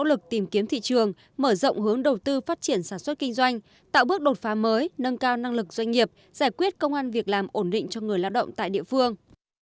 nỗ lực tìm kiếm thị trường mở rộng hướng đầu tư phát triển sản xuất kinh doanh tạo bước đột phá mới nâng cao năng lực doanh nghiệp giải quyết công an việc làm ổn định cho người lao động tại địa phương